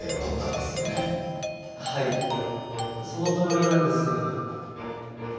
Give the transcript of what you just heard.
はいそのつもりなんですけど。